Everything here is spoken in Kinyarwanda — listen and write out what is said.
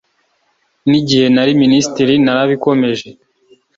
n’igihe nari Minisitiri narabikomeje